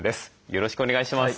よろしくお願いします。